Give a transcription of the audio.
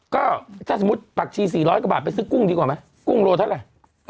ก็ถ้าสมมุติผักชี๔๐๐กว่าบาทไปซื้อกุ้งดีกว่าไหมกุ้งโลเท่าไหร่